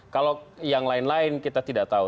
kalau yang lain lain kita tidak tahu